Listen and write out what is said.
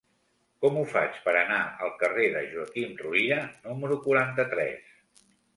Com ho faig per anar al carrer de Joaquim Ruyra número quaranta-tres?